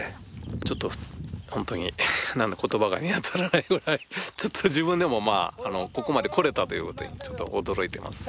ちょっと本当に言葉が見当たらないぐらいちょっと自分でもここまで来られたということにちょっと驚いています。